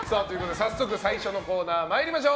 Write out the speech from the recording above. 早速、最初のコーナー参りましょう。